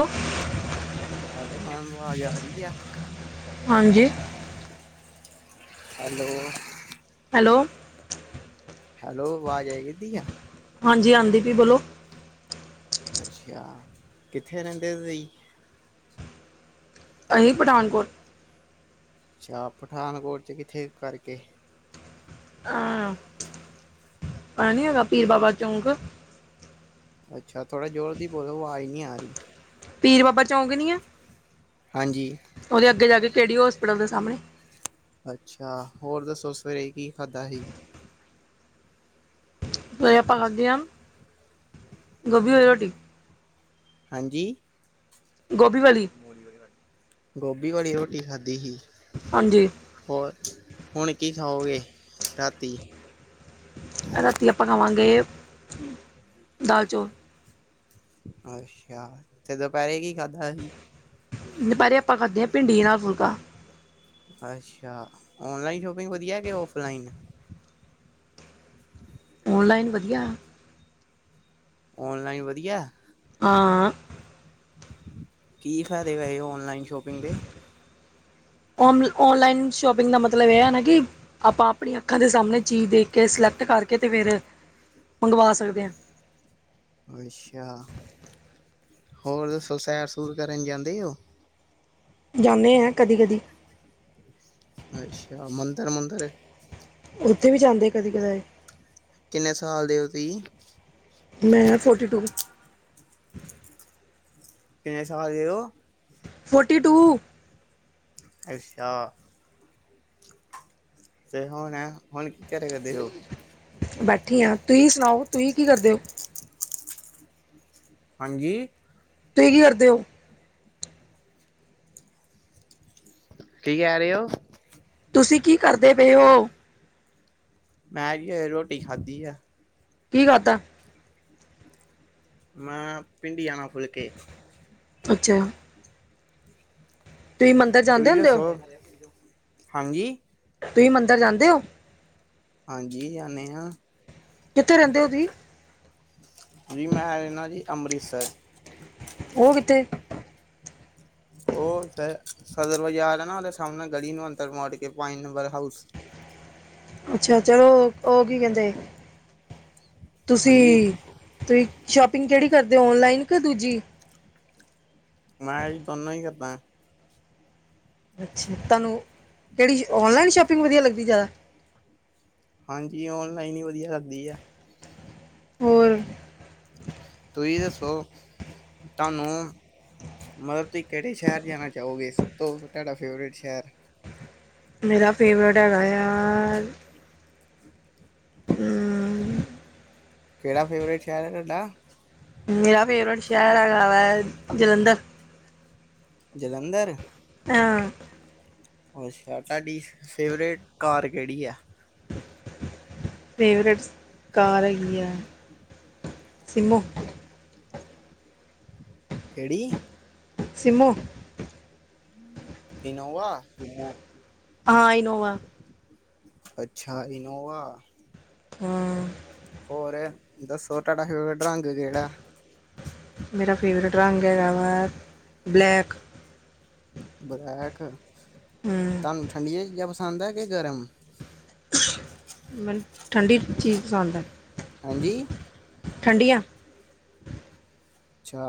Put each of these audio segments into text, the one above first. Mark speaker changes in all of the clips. Speaker 1: Hello,
Speaker 2: hello, ma'am ਆਵਾਜ਼ ਆ ਰੀ ਆ।
Speaker 1: ਹਾਂਜੀ।
Speaker 2: ਹੈਲੋ।
Speaker 1: ਹੈਲੋ।
Speaker 2: ਹੈਲੋ, ਵਾਜ ਆਈ ਜਾਂਦੀ ਆ।
Speaker 1: ਹਾਂਜੀ, ਆਂਦੀ ਪਈ, ਬੋਲੋ।
Speaker 2: ਅੱਛਾ, ਕਿੱਥੇ ਰਹਿੰਦੇ ਓ ਤੁਹੀਂ।
Speaker 1: ਅਸੀਂ, ਪਠਾਨਕੋਟ।
Speaker 2: ਅੱਛਾ, ਪਠਾਨਕੋਟ 'ਚ ਕਿੱਥੇ ਕਰਕੇ।
Speaker 1: ਹਾਂ। ਆ ਨੀ ਹੈਗਾ ਪੀਰ ਬਾਬਾ ਚੌਂਕ।
Speaker 2: ਅੱਛਾ, ਥੋੜਾ ਜ਼ੋਰ ਦੀ ਬੋਲੋ ਵਾਜ਼ ਨੀਂ ਆ ਰੀ।
Speaker 1: ਪੀਰ ਬਾਬਾ ਚੌਂਕ ਨੀ ਆ
Speaker 2: ਹਾਂਜੀ।
Speaker 1: ਉਹਦੇ ਅੱਗੇ ਜਾ ਕੇ ਕੇਹੜੀ ਹੋਸਪੀਟਲ ਦੇ ਸਾਹਮਣੇ
Speaker 2: ਅੱਛਾ ਹੋਰ ਦੱਸੋ ਸਵੇਰੇ ਕੀ ਖਾਧਾ ਸੀ
Speaker 1: ਸਵੇਰੇ ਆਪਾਂ ਖਾਧੀਆ ਗੋਬੀ ਵਾਲੀ ਰੋਟੀ
Speaker 2: ਹਾਂਜੀ।
Speaker 1: ਗੋਬੀ ਵਾਲੀ
Speaker 2: ਗੋਬੀ ਵਾਲੀ ਰੋਟੀ ਖਾਧੀ ਸੀ।
Speaker 1: ਹਾਂਜੀ।
Speaker 2: ਹੋਰ ਹੁਣ ਕੀ ਖਾਓਗੇ ਰਾਤੀ
Speaker 1: ਰਾਤੀ ਆਪਾਂ ਖਾਵਾਂਗੇ ਦਾਲ ਚੌਲ।
Speaker 2: ਅੱਛਾ ਤੇ ਦੁਪਹਿਰੇ ਕੀ ਖਾਧਾ ਸੀ
Speaker 1: ਦੁਪਹਿਰੇ ਆਪਾਂ ਖਾਦੇਆ ਭਿੰਡੀ ਨਾਲ ਫੁਲਕਾ।
Speaker 2: ਅੱਛਾ ਔਨਲਾਈਨ ਸ਼ੋਪਿੰਗ ਵਧੀਆ ਕਿ ਔਫਲਾਈਨ
Speaker 1: ਔਨਲਾਈਨ ਵਧੀਆ।
Speaker 2: ਔਨਲਾਈਨ ਵਧੀਆ
Speaker 1: ਹਾਂ।
Speaker 2: ਕੀ ਫਾਇਦੇ ਵਏ ਔਨਲਾਈਨ ਸ਼ੋਪਿੰਗ ਦੇ
Speaker 1: ਔਨ ਔਨਲਾਈਨ ਸੋ਼ਪਿਗ ਦਾ ਮਤਲਬ ਇਹ ਹੈ ਨਾ ਕੀ ਆਪਾਂ ਆਪਣੀ ਅੱਖਾਂ ਦੇ ਸਾਹਮਣੇ ਚੀਜ਼ ਦੇਖ ਕੇ ਸਿਲੈਕਟ ਕਰਕੇ ਤੇ ਫੇਰ ਮੰਗਵਾ ਸਕਦੇ ਆ।
Speaker 2: ਅੱਛਾ ਹੋਰ ਦੱਸੋ ਸੈਰ ਸੂਰ ਕਰਨ ਜਾਂਦੇ ੳ
Speaker 1: ਜਾਂਨੇ ਆ ਕਦੀ ਕਦੀ।
Speaker 2: ਅੱਛਾ ਮੰਦਰ ਮੰਦਰ।
Speaker 1: ਉੱਥੇ ਵੀ ਜਾਂਦੇ ਕਦੀ ਕਦਾਏ।
Speaker 2: ਕਿੰਨੇ ਸਾਲ ਦੇ ਓਹ ਤੁਹੀ।
Speaker 1: ਮੈਂ ਫੋਟੀ ਟੂ।
Speaker 2: ਇਹ ਸਾਲ ਈਓ। [unintelligible]
Speaker 1: Forty to.
Speaker 2: ਅੱਛਾ। ਜ ਹੁਣ ਹੁਣ। [unintelligible] ਹੋ
Speaker 1: ਬੈਠੀ ਹਾ ਤੁਹੀਂ ਸੁਣਾਓ ਤੁਹੀ ਕੀ ਕਰਦੇ ੳ।
Speaker 2: ਹਾਂਜੀ।
Speaker 1: ਤੁਹੀਂ ਕੀ ਕਰਦੇ ਹੋ
Speaker 2: ਕੀ ਕਹਿ ਰਹੇ ੳ।
Speaker 1: ਤੁਸੀਂ ਕੀ ਕਰਦੇ ਪਏ ੳ।
Speaker 2: ਮੈਂ ਵੀ ਰੋਟੀ ਖਾਧੀ ਆ।
Speaker 1: ਕੀ ਖਾਦਾ।
Speaker 2: ਮੈਂ ਭਿੰਡੀਆਂ ਨਾਲ ਫੁਲਕੇ।
Speaker 1: ਅੱਛਾ। ਤੁਸੀਂ ਮੰਦਿਰ ਜਾਂਦੇ
Speaker 2: ਤੁਂਹੀ
Speaker 1: ਹੁੰਦੇ ਹੋ
Speaker 2: ਦੱਸੋ ਹਾਂਜੀ।
Speaker 1: ਤੁਹੀਂ ਮੰਦਰ ਜਾਂਦੇ ਹੋ।
Speaker 2: ਹਾਂਜੀ ਜਾਨੇ ਹਾਂ।
Speaker 1: ਕਿੱਥੇ ਰਹਿੰਦੇ ਉਹ ਤੁਹੀ।
Speaker 2: ਜੀ ਮੈਂ ਰਹਿੰਨਾ ਜੀ ਅੰਮ੍ਰਿਤਸਰ।
Speaker 1: ਉਹ ਕਿੱਥੇ।
Speaker 2: ਉਹ ਸਦਰ ਬਾਜ਼ਾਰ ਆ ਨਾ ਉਹਦੇ ਸਾਹਮਣੇ ਗਲੀ ਨੂ ਅਦੰਰ ਵੜ ਕੇ ਪੰਜ ਨੰਬਰ ਹਾਊਸ
Speaker 1: ਅੱਛਾ ਚਲੋ ਉਹ ਕੀ ਕਹਿੰਦੇ
Speaker 2: ਹਾਂਜੀ
Speaker 1: ਤੁਸੀਂ ਤੁਸੀਂ ਸ਼ੋਪਿੰਗ ਕਿਹੜੀ ਕਰਦੇ ਔ ਔਨਲਾਈਨ ਕਿ ਦੂਜੀ
Speaker 2: ਮੈਂ ਜੀ ਦੋਨੋਂ ਈ ਕਰਦਾ ਐ
Speaker 1: ਅਛਾ ਤੂਹਾਨੁ ਕਿਹੜੀ ਔਨਲਾਈਨ ਸ਼ੋਪਿੰਗ ਵਦੀਆ ਲੱਗਦੀ ਜ਼ਿਆਦਾ
Speaker 2: ਹਾਂਜੀ ਔਨਲਾਈਨ ਹੀ ਵਦੀਆ ਲੱਗਦੀ ਐ
Speaker 1: ਹੋਰ
Speaker 2: ਤੁਸੀਂ ਦੱਸੋ ਤੁਹਾਨੂੰ ਮਤਲਬ ਤੁਸੀਂ ਕਿਹੜੇ ਸ਼ਹਿਰ ਜਾਨਾ ਚਾਹੋਗੇ ਸਭ ਤੋਂ ਤੁਹਾਡਾ ਫੇਵਰੇਟ ਸ਼ਹਿਰ
Speaker 1: ਮੇਰਾ ਫੇਵਰੇਟ ਹੈਗਾ ਆ ਹਮ
Speaker 2: ਕੇੜਾ ਫੇਵਰੇਟ ਸ਼ਹਿਰ ਐ ਤੁਹਾਡਾ
Speaker 1: ਮੇਰਾ ਫੇਵਰੇਟ ਸ਼ਹਿਰ ਹੈਗਾ ਵਾ ਜਲੰਧਰ
Speaker 2: ਜਲੰਧਰ।
Speaker 1: ਹਾਂ।
Speaker 2: ਅੱਛਾ ਤੁਹਾਡੀ ਫੇਵਰੇਟ ਕਾਰ ਕੇਹੜੀ ਹੈ
Speaker 1: ਫੇਵਰੇਟ ਕਾਰ ਹੈਗੀ ਐ ਸਿੰਮੋ
Speaker 2: ਕੇਹੜੀ
Speaker 1: ਸਿਮੋ
Speaker 2: ਇਨੋਵਾ।
Speaker 1: ਹਾਂ ਇਨੋਵਾ।
Speaker 2: ਅੱਛਾ ਇਨੋਵਾ।
Speaker 1: ਹਾਂ।
Speaker 2: ਹੋਰ ਦੱਸੋ ਤੁਹਾਡਾ ਫੇਵਰਟ ਰੰਗ ਕੇਹੜਾ
Speaker 1: ਮੇਰਾ ਫੇਵਰੇਟ ਰੰਗ ਹੈਗਾ ਵਾ ਬਲੈਕ
Speaker 2: ਬਲੈਕ,
Speaker 1: ਹਮ
Speaker 2: ਤੂਹਾਨੂੰ ਠੰਡੀਆਂ ਚੀਜ਼ਾਂ ਪਸੰਦ ਹੈ ਕਿ ਗਰਮ
Speaker 1: ਮੈਨੂੰ ਠੰਡੀ ਚੀਜ਼ ਪਸੰਦ ਆ
Speaker 2: ਹਾਂਜੀ
Speaker 1: ਠੰਡੀਆਂ
Speaker 2: ਅੱਛਾ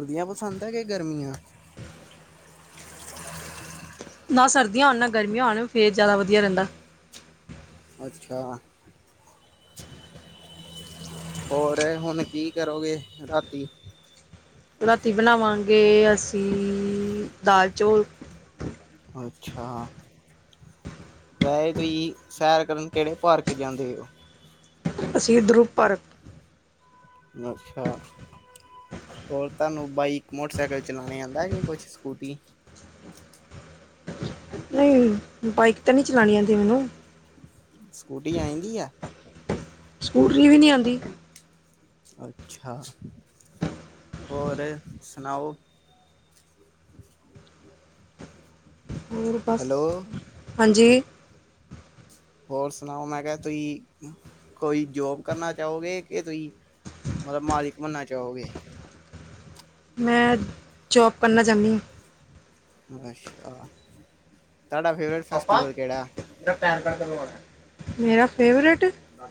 Speaker 2: ਸਰਦੀਆਂ ਪਸੰਦ ਆ ਕਿ ਗਰਮੀਆਂ
Speaker 1: ਨਾ ਸਰਦੀਆਂ ਹੋਨ ਨਾ ਗਰਮੀਆਂ ਹੋਨ ਫਿਰ ਜ਼ਿਆਦਾ ਵਦੀਆ ਰਹਿੰਦਾ
Speaker 2: ਅੱਛਾ ਹੋਰ ਹੁਨ ਕੀ ਕਰੋਗੇ, ਰਾਤੀ
Speaker 1: ਰਾਤੀ ਬਨਾਵਾਂਗੇ ਅਸੀਂ ਦਾਲ -ਚੌਲ
Speaker 2: ਅੱਛਾ ਵੈਹੇ ਤੁਹੀ ਸੈਰ ਕਰਨ ਕਿਹੜੇ ਪਾਰਕ ਜਾਂਦੇ ਓ
Speaker 1: ਅਸੀਂ ਦਰੁਪ ਪਾਰਕ
Speaker 2: ਅੱਛਾ ਹੋਰ ਤੁਹਾਨੂੰ ਬਾਈਕ ਮੋਟਰਸਾਈਕਲ ਚਲਾਨੇ ਆਂਦਾ ਜੇ ਕੁਛ ਸਕੂਟੀ
Speaker 1: ਨਹੀਂ ਬਾਈਕ ਤਾਂ ਨਹੀਂ ਚਲਾਨੀ ਆਂਦੀ ਮੈਨੂੰ
Speaker 2: ਸਕੂਟੀ ਆਏਂਦੀ ਆ।
Speaker 1: ਸਕੂਟਰੀ ਵੀ ਨੀ ਆਂਦੀ
Speaker 2: ਅੱਛਾ, ਹੋਰ ਸੁਨਾਓ
Speaker 1: ਹੋਰ ਬਸ,
Speaker 2: ਹੈਲੋ
Speaker 1: ਹਾਂਜੀ
Speaker 2: ਹੋਰ ਸੁਨਾਓ ਮੈਂ ਕਿਹਾ ਤੁਹੀ ਕੋਈ ਜੋਬ ਕਰਨਾ ਚਾਹੋਗੇ ਕਿ ਤੁਸੀਂ ਮਤਲਬ ਮਾਲਿਕ ਬਨਨਾ ਚਾਹੋਗੇ।
Speaker 1: ਮੈਂ, ਜੋਬ ਕਰਨਾ ਚਾਹਨੀ ਆ।
Speaker 2: ਨਸ਼ਾ, ਤਾਡਾ ਫੇਵਰੇਡ।
Speaker 1: ਪਾਪਾ, ਤੇਰਾ ਪੈਨ ਕਾਰਡ ਕਦੋਂ ਆਨਾ, ਮੇਰਾ ਫੇਵਰਟ ਅਜ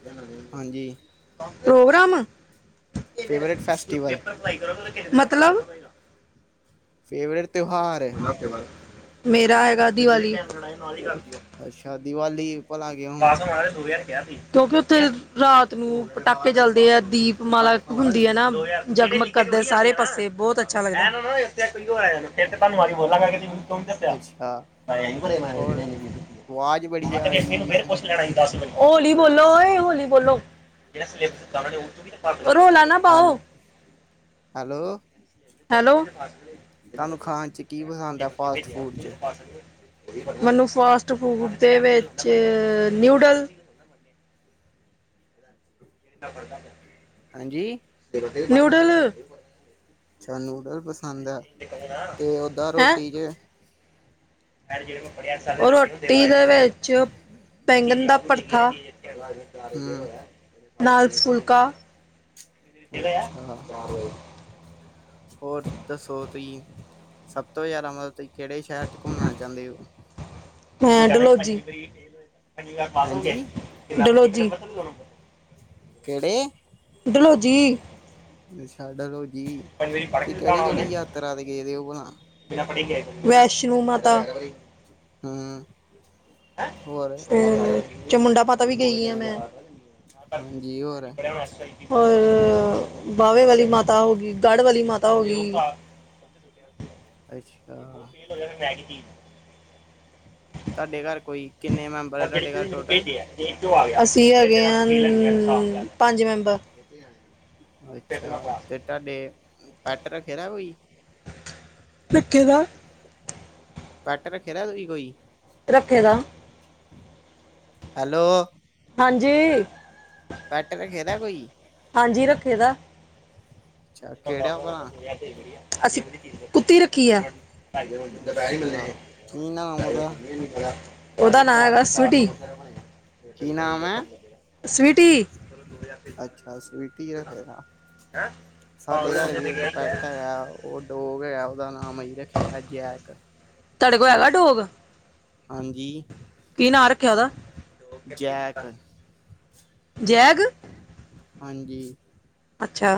Speaker 1: ਇੰਨਾ ਲੈ ਈ
Speaker 2: ਹਾਂਜੀ
Speaker 1: ਲਿਆ, ਪ੍ਰੋਗਰਾਮ। ਕਿਵੇਂ,
Speaker 2: ਫੇਵਰੇਟ ਫੈਸਟੀਵਲ
Speaker 1: ਪੇਪਰ ਪੜਾਈ ਕਰਨ ਲਗੇ ਆ, ਮਤਲਬ।
Speaker 2: ਫੇਵਰੇਡ ਤੇਉਹਾਰ।
Speaker 1: ਇਕ ਹਫਤੇ ਬਾਦ, ਮੇਰਾ ਹੈਗਾ ਦੀਵਾਲੀ।
Speaker 2: ਅੱਸ਼ਾ, ਦੀਵਾਲੀ। ਭਲਾ ਕਿਉਂ
Speaker 1: ਦਸ ਮੰਗਾ ਲਓ ਦੋ ਹਜ਼ਾਰ ਕੇਆ ਸੀ, ਕਿਉਂਕਿ ਉੱਥੇ ਰਾਤ ਨੂੰ ਪਟਾਕੇੇ ਚਲਦੇ ਆ, ਦੀਪਮਾਲਾ ਹੁੰਦੀ ਐ ਨਾ, ਜਗਮਗ ਕਰਦੇ ਸਾਰੇ ਪਾਸੇ ਬੋਤ। ਚੱਲ ਐ ਨਾ ਹੋਏ ਫਿਰ ਤੇ ਤੁਹਾਨੂੰ ਬੋਲ ਕਰਕੇ
Speaker 2: ਅੱਛਾ ਹੋਰ ਆਵਾਜ਼ ਬੜੀ ਆ ਰਹੀ ਜੀ
Speaker 1: [unintelligible] [unintelligible]
Speaker 2: ਪਿੱਛੋਂ
Speaker 1: ਪੜ੍ਹਾਈ ਕਾਸ਼ ਨੂੰ ਓ, ਹੋਲੀ ਬੋਲੋ ਓਏ, ਹੋਲੀ ਬੋਲੋ, ਰੌਲਾ ਨਾ
Speaker 2: ਹੈਲ
Speaker 1: ਪਾਉ।
Speaker 2: ਹੈਲੋ।
Speaker 1: ਹੈਲੋ!
Speaker 2: ਤਾਨੂੰ ਖਾਨ 'ਚ ਕੀ ਪਸੰਦ ਐ ਫਾਸਟ ਫੂਡ 'ਚ?
Speaker 1: ਮੈਨੂੰ ਫਾਸਟ ਫੂਡ ਦੇ ਵਿੱਚ, ਨਿਊਡਲ। ਸਫਰ ਕਢੱ।
Speaker 2: ਹਾਂਜੀ।
Speaker 1: ਨਿਊਡਲ।
Speaker 2: ਅੱਛਾ, ਨੂਡਲ ਪਸੰਦ ਐ, 'ਤੇ ਓਦਾਂ
Speaker 1: ਹੈਂ
Speaker 2: ਰੋਟੀ 'ਚ
Speaker 1: ਰੋਟੀ ਦੇ ਵਿੱਚ, ਬੈਂਗਨ ਦਾ ਭੜੱਥਾ।
Speaker 2: ਹੂੰ
Speaker 1: ਨਾਲ ਫੁਲਕਾ।
Speaker 2: ਅੱਛਾ ਹੋਰ, ਦੱਸੋ ਤੁਹੀਂ, ਸਭ ਤੋਂ ਜਾਦਾ ਮਤ ਕੇੜੇ ਸ਼ਹਿਰ 'ਚ ਘੁੰਮਨਾ ਚਾਂਦੇ ਓ?
Speaker 1: ਹੈਂ!
Speaker 2: ਹਾਂਜੀ
Speaker 1: ਡਲੋਜੀ-ਡਲੋਜੀ।
Speaker 2: ਕਿਹੜੇ?
Speaker 1: ਡਲੋਜੀ।
Speaker 2: ਛੱਡ ਰੋ ਜੀ, ਤੁਸੀਂ ਕੇੜੀ- ਕੇੜੀ ਯਾਤਰਾ ਤੇ ਗਏ ਦੇ ਹੋ ਭਲਾ।
Speaker 1: ਤੇ ਅਪਨੀ ਗਏ ਸੀ, ਵੈਸ਼ਨੋ ਮਾਤਾ।
Speaker 2: ਹੂੰ। ਹੋਰ
Speaker 1: ਹੈਂ! ਚਮੁੰਡਾ ਮਾਤਾ ਵੀ ਗਈ ਆ ਮੈਂ। ਮਾਤਾ,
Speaker 2: ਹਾਂਜੀ
Speaker 1: ਹੈ
Speaker 2: ਹੋਰ
Speaker 1: ਨੀ ਕੁ ਰਹਿਨ ਵਸਤੇ [unintelligible] ਔਰ, ਬਾਵੇ ਵਾਲੀ ਮਾਤਾ ਹੋ ਗਈ, ਗੜ੍ਹ ਵਾਲੀ ਮਾਤਾ ਹੋ ਗਈ।
Speaker 2: ਅੱਸ਼ਾ।
Speaker 1: ਉਸ ਦਿਨ ਮੈਗੀ ਸੀ।
Speaker 2: ਤੁਹਾਡੇ ਘਰ ਕੋਈ, ਕਿੰਨੇ ਮੈਂਬਰ ਐ ਤੁਹਾਡੇ ਘਰ ਟੋਟਲ?
Speaker 1: ਅਸੀ ਹੈਗੇ ਆ, ਪੰਜ ਮੈਂਬਰ।
Speaker 2: ਅੱਛਾ, 'ਤੇ ਤੁਹਾਡੇ, ਪੱਟ ਰੱਖੇ ਦਾ ਕੋਈ।
Speaker 1: ਰੱਖੇ ਦਾ।
Speaker 2: ਪੱਟ ਰੱਖੇ ਦਾ ਤੁਸੀਂ ਕੋਈ।
Speaker 1: ਰੱਖੇ ਦਾ।
Speaker 2: ਹੈਲੋ।
Speaker 1: ਹਾਂਜੀ
Speaker 2: ਪੈਟ ਰੱਖੇਦਾ ਕੋਈ
Speaker 1: ਹਾਂਜੀ ਰੱਖੇ ਦਾ
Speaker 2: ਅੱਛਾ ਕਿਹੜਾ ਭਲਾ
Speaker 1: ਅਸੀਂ ਕੁੱਤੀ ਰੱਖੀ ਐ
Speaker 2: ਅੱਛਾ ਕੀ ਨਾਮ ਉਹਦਾ
Speaker 1: [unintelligible] ਉਹਦਾ ਨਾਂ ਹੈਗਾ ਸਵੀਟੀ
Speaker 2: ਕੀ ਨਾਮ ਹੈ
Speaker 1: ਸਵੀਟੀ
Speaker 2: ਅੱਛਾ ਸਵੀਟੀ ਰ ਫੇਰ ਸਾਡੇ ਘਰ ਵੀ ਇੱਕ ਪੈਟ ਹੈਗਾ ਉਹ ਡੋਗ ਹੈਗਾ ਉਹਦਾ ਨਾਮ ਅਹੀਂ ਰੱਖੇ ਦਾ ਜੈਕ
Speaker 1: ਤੁਹਾਡੇ ਕੋ ਹੈਗਾ ਡੋਗ
Speaker 2: ਹਾਂਜੀ
Speaker 1: ਕੀ ਨਾਂ ਰੱਖਿਆ ਉਹਦਾ
Speaker 2: ਜੈਕ
Speaker 1: ਜੈਗ
Speaker 2: ਹਾਂਜੀ
Speaker 1: ਅੱਛਾ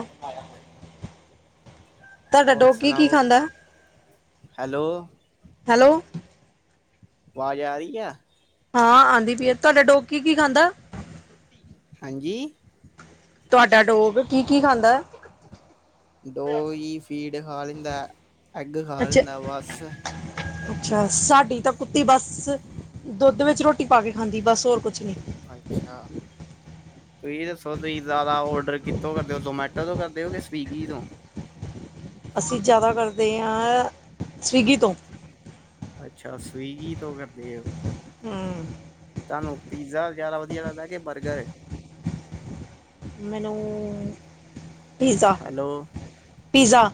Speaker 1: ਤੁਹਾਡਾ ਡੋਗ ਕੀ ਕੀ ਖਾਂਦਾ
Speaker 2: ਹੈਲੋ‌
Speaker 1: ਹੈਲੋ
Speaker 2: ਵਾਜ਼ ਆ ਰਹੀ ਆ
Speaker 1: ਹਾਂ ਆਉਂਦੀ ਪੀ ਏ ਤੁਹਾਡਾ ਡੋਗ ਕੀ ਕੀ ਖਾਂਦਾ
Speaker 2: ਹਾਂਜੀ
Speaker 1: ਤੁਹਾਡਾ ਡੋਗ ਕੀ ਕੀ ਖਾਂਦਾ
Speaker 2: ਡੋਗ ਜੀ ਫੀਟ ਖਾ ਲੈਂਦਾ ਐਗ ਖਾ
Speaker 1: ਅੱਛਾ
Speaker 2: ਲੈਂਦਾ ਬਸ
Speaker 1: ਅੱਛਾ ਸਾਡੀ ਤਾਂ ਕੁੱਤੀ ਬਸ ਦੋਧ ਵਿੱਚ ਰੋਟੀ ਪਾ ਕੇ ਖਾਂਦੀ ਬਸ ਹੋਰ ਕੁੱਛ ਨੀ
Speaker 2: ਅੱਛਾ ਤੁਹੀ ਦੱਸੋ ਤੁਹੀ ਜ਼ਿਆਦਾ ਔਡਰ ਕਿੱਥੋਂ ਕਰਦੇ ਹੋ ਜ਼ੋਮੈਟੋ ਤੋਂ ਕਰਦੇ ਹੋ ਕੇ ਸਵੀਗੀ ਤੋਂ
Speaker 1: ਅਸੀਂ ਜ਼ਿਆਦਾ ਕਰਦੇ ਹਾਂ ਸਵੀਗੀ ਤੋਂ
Speaker 2: ਅੱਛਾ ਸਵੀਗੀ ਤੋਂ ਕਰਦੇ ਹੋ
Speaker 1: ਹੂੰ
Speaker 2: ਤੁਹਾਨੂੰ ਪੀਜ਼ਾ ਜ਼ਿਆਦਾ ਵਧੀਆ ਲੱਗਦਾ ਕੇ ਬਰਗਰ
Speaker 1: ਮੈਨੂੰ ਪੀਜ਼ਾ
Speaker 2: ਹੈਲੋ
Speaker 1: ਪੀਜ਼ਾ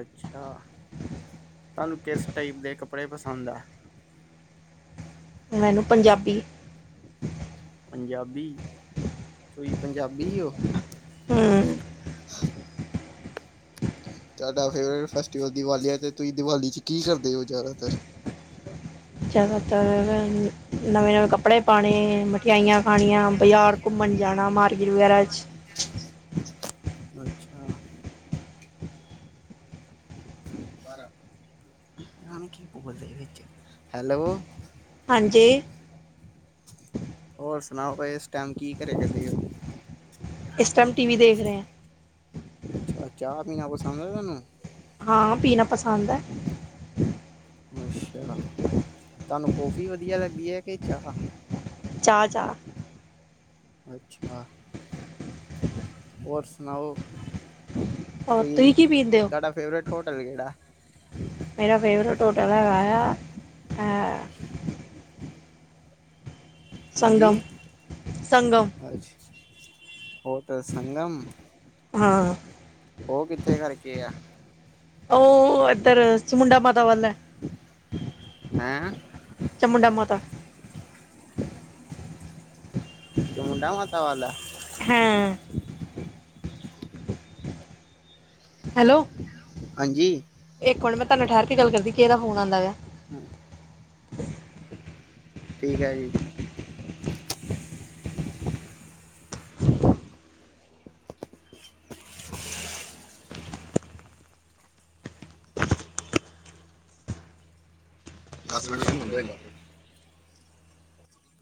Speaker 2: ਅੱਛਾ ਤੁਹਾਨੂੰ ਕਿਸ ਟਾਈਪ ਦੇ ਕੱਪੜੇ ਪਸੰਦ ਐ
Speaker 1: ਮੈਨੂੰ ਪੰਜਾਬੀ
Speaker 2: ਪੰਜਾਬੀ ਤੁਹੀ ਪੰਜਾਬੀ ਹੋ
Speaker 1: ਹਮ
Speaker 2: ਤੁਹਾਡਾ ਫੇਵਰੇਟ ਫੈਸਟੀਵਲ ਦੀਵਾਲੀ ਆ ਤੇ ਤੁਹੀ ਦਿਵਾਲੀ ਚ ਕੀ ਕਰਦੇ ਹੋ ਜ਼ਿਆਦਾਤਰ
Speaker 1: ਜਿਆਦਾਤਰ ਨਵੇਂ ਨਵੇਂ ਕੱਪ ਕੱਪੜੇ ਪਾਣੇ ਮਠਿਆਈਆਂ ਖਾਣੀਆਂ ਬਜਾਰ ਘੁੰਮਣ ਜਾਣਾ ਮਾਰਕਿਟ ਵਗੈਰਾ ਚ
Speaker 2: ਅੱਛਾ [unintelligible] ਹੈਲੋ
Speaker 1: ਹਾਂਜੀ
Speaker 2: ਹੋਰ ਸੁਣਾਓ ਉਹ ਇਸ ਟਾਈਮ ਕੀ ਘਰੇ [unintelligible]
Speaker 1: ਇਸ ਟੈਮ ਟੀਵੀ ਦੇਖ ਰਹੇ ਆਂ
Speaker 2: ਅੱਛਾ ਚਾਹ ਪੀਣਾ ਪਸੰਦ ਆ ਤੁਆਨੂੰ
Speaker 1: ਹਾਂ ਪੀਣਾ ਪਸਾੰਦ ਹੈ
Speaker 2: ਅੱਛਾ ਤੁਹਾਨੂੰ ਕੌਫੀ ਵਧੀਆ ਲੱਗਦੀ ਹੈ ਕੇ ਚਾਹ
Speaker 1: ਚਾਹ ਚਾਹ
Speaker 2: ਅੱਛਾ ਹੋਰ ਸੁਣਾਓ
Speaker 1: ਔਰ
Speaker 2: ਤੁਹੀ
Speaker 1: ਤੁਸੀਂ ਕੀ ਪੀਂਦੇ ਹੋ
Speaker 2: ਤੁਆਡਾ ਫੇਵਰੇਟ ਹੋਟਲ ਕਿਹੜਾ
Speaker 1: ਮੇਰਾ ਫੇਵਰੇਟ ਹੋਟਲ ਅਲਾ ਆਏਆ, ਐ ਸੰਗਮ
Speaker 2: ਹਾਂਜੀ,
Speaker 1: ਸੰਗਮ
Speaker 2: ਅੱਛ, ਹੋਟਲ ਸੰਗਮ।
Speaker 1: ਹਾਂ।
Speaker 2: ਓ ਕਿੱਥੇ ਕਾਰਕੇ ਐ?
Speaker 1: ਓ ਏਦੱਰ ਚਮੁੰੰਡਾ ਮਾਤਾ ਵੱਲ ਐ।
Speaker 2: ਹੈਂ?
Speaker 1: ਚਮੁੰਡਾ ਮਾਤਾ।
Speaker 2: ਚਮੁੰਡਾ ਮਾਤਾ ਵੱਲ ਐ?
Speaker 1: ਹੈਂ। ਹੈਲੋ
Speaker 2: ਹਾਂਜੀ।
Speaker 1: ਇੱਕ ਮਿੰਟ ਮੈਂ ਤੁਹਾਨੂੰ ਠਹਿਰ ਕੇ ਗੱਲ ਕਰਦੀ ਕਿ ਇਹਦਾ ਫੋਨ ਆਉਂਦਾ ਵਾ
Speaker 2: [unintelligible] ਠੀਕ ਐ ਜੀ। [inaudible]
Speaker 1: ਦਾੱਸ ਮਿੰਟ ਵਿੱਚ ਮੰੰਦਾ [unintelligible]